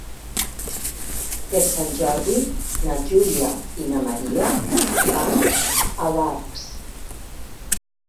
Per Sant Jordi na Júlia i na Maria van a Barx.